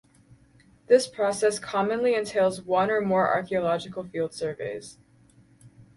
This process commonly entails one or more archaeological field surveys.